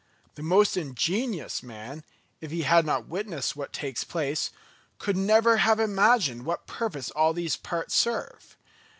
The most ingenious man, if he had not witnessed what takes place, could never have imagined what purpose all these parts serve.